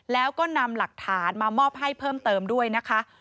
แล้วก็นำหลักฐานมามอบให้เพิ่มเติมด้วยนะคะ